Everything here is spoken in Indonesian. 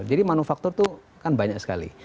jadi manufaktur itu kan banyak sekali